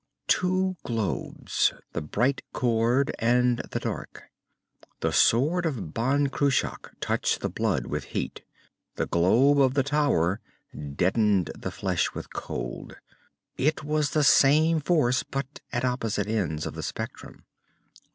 Two globes, the bright cored and the dark. The sword of Ban Cruach touched the blood with heat. The globe of the tower deadened the flesh with cold. It was the same force, but at opposite ends of the spectrum.